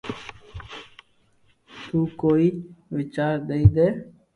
تو ڪوئئي وچار ديئي دي